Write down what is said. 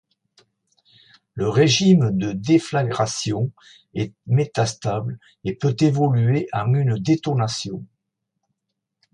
Le régime de déflagration est métastable et peut évoluer en une détonation.